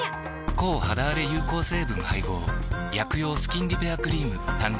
抗肌あれ有効成分配合薬用スキンリペアクリーム誕生